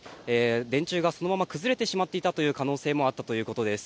電柱がそのまま崩れてしまっていたという可能性もあったということです。